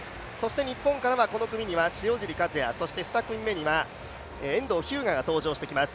日本からはこの組には塩尻和也そして２組目には遠藤日向が登場してきます。